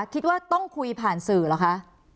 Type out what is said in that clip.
คิดว่าต้องคุยผ่านสื่อเหรอคะ